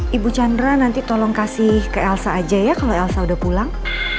ibu chandra nanti tolong kasih ke elsa aja ya kalau elsa udah pulang